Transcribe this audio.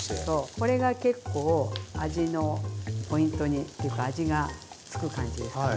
これが結構味のポイントにというか味が付く感じですかね。